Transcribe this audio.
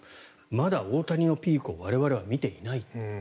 まだ大谷のピークを我々は見ていない。